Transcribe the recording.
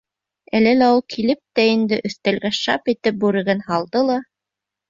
Әле лә ул килеп тә инде, өҫтәлгә шап итеп бүреген һалды ла: